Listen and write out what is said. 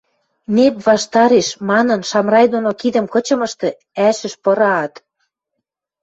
«Нэп ваштареш!» манын, Шамрай доно кидӹм кычымышты ӓшӹш пыраат